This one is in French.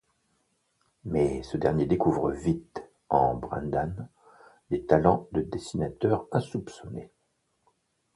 Mais ce dernier découvre vite en Brendan des talents de dessinateur insoupçonnés.